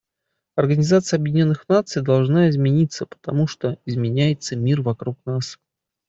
Организация Объединенных Наций должна измениться, потому что изменяется мир вокруг нас.